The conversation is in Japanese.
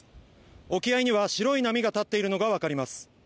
沖合には白い波が立っているのがわかります。